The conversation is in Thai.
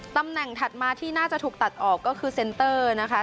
ตำแหน่งถัดมาที่น่าจะถูกตัดออกก็คือเซ็นเตอร์นะคะ